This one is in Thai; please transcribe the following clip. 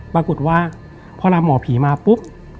ปรากฏว่าพอลาหมอผีมาปุ๊บ